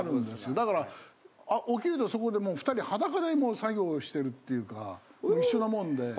だから起きるとそこで２人裸で作業してるっていうか一緒なもんで。